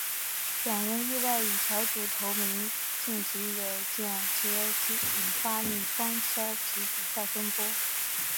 两人意外以小组头名晋级也间接引发女双消极比赛风波。